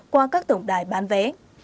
qua các tổng đài bán vé